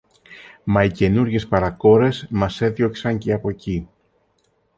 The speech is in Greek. Μα οι καινούριες παρακόρες μας έδιωξαν και από κει